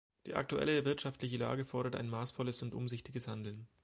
Die aktuelle wirtschaftliche Lage fordert ein maßvolles und umsichtiges Handeln.